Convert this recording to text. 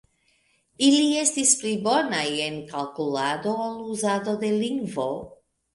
Ili estis pli bonaj en kalkulado ol uzado de lingvo.